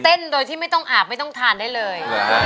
โดยที่ไม่ต้องอาบไม่ต้องทานได้เลย